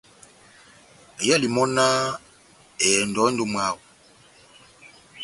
Iyɛli mɔ́náh :« ehɛndɔ endi ó mwáho. »